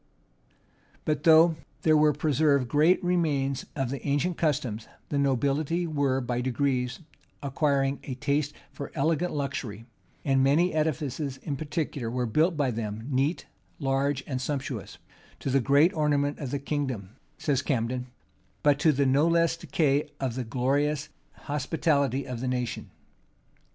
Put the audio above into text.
But though there were preserved great remains of the ancient customs, the nobility were by degrees acquiring a taste for elegant luxury; and many edifices, in particular were built by them, neat, large, and sumptuous; to the great ornament of the kingdom, says Camden,[*] but to the no less decay of the glorious hospitality of the nation.